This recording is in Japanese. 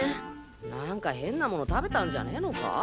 何か変な物食べたんじゃねのか？